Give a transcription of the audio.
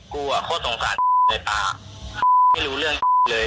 กูอ่ะโคตรสงสารเลยป่ะไม่รู้เรื่องเลย